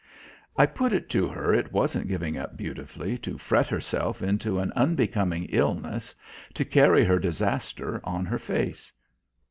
I put it to her it wasn't giving up beautifully to fret herself into an unbecoming illness, to carry her disaster on her face.